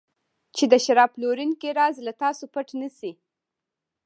چې د شراب پلورونکي راز له تاسو پټ نه شي.